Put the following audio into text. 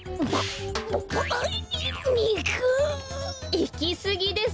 いきすぎです。